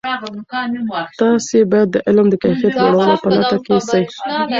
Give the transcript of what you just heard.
تاسې باید د علم د کیفیت لوړولو په لټه کې سئ.